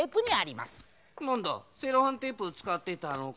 なんだセロハンテープつかってたのか。